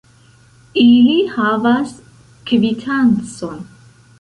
Ili havas kvitancon.